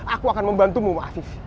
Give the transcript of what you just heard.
aku akan membantumu afif